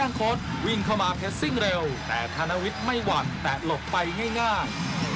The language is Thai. โค้ดวิ่งเข้ามาเพชรซิ่งเร็วแต่ธนวิทย์ไม่หวั่นแต่หลบไปง่าย